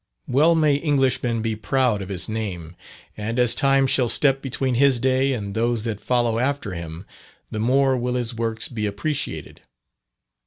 Well may Englishmen be proud of his name. And as time shall step between his day and those that follow after him, the more will his works be appreciated.